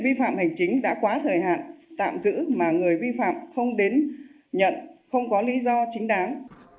vi phạm hành chính đã quá thời hạn tạm giữ mà người vi phạm không đến nhận không có lý do chính đáng